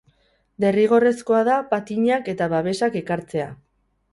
Derrigorrezkoa da patinak eta babesak ekartzea.